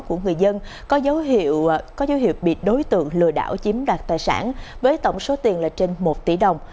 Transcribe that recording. của người dân có dấu hiệu bị đối tượng lừa đảo chiếm đoạt tài sản với tổng số tiền là trên một tỷ đồng